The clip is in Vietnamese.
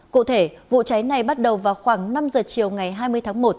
cụ thể vụ cháy này bắt đầu vào khoảng năm giờ chiều ngày hai mươi tháng một